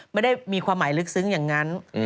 ไม่ได้มีความหมายลึกซึ้งอย่างนั้น